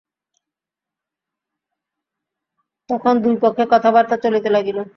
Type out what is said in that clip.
তখন দুই পক্ষে কথাবার্তা চলিতে লাগিল।